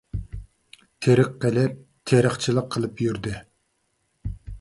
تىرىك قېلىپ، تېرىقچىلىق قىلىپ يۈردى.